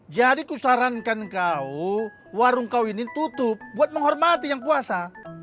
jadi kusarankan kau warung kau ini tutup buat menghormati yang puasa